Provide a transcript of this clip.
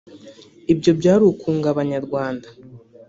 Ibyo byari ukunga Abanyarwanda